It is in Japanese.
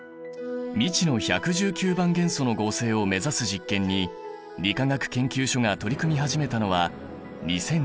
未知の１１９番元素の合成を目指す実験に理化学研究所が取り組み始めたのは２０１８年。